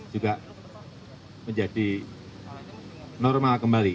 juga menjadi normal kembali